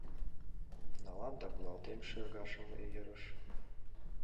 Налам да кудалтем шергашым ерыш